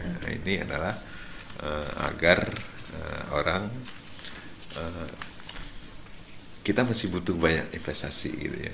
nah ini adalah agar orang kita masih butuh banyak investasi